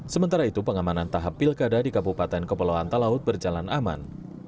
sementara itu pengamanan tahap pilkada di kabupaten kepulauan talaut berjalan aman